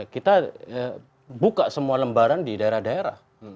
kita buka semua lembaran di daerah daerah